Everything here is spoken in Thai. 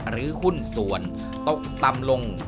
หรือหุ้นสวนตกตำลง